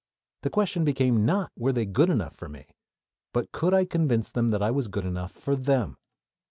The question became not were they good enough for me, but could I convince them that I was good enough for them.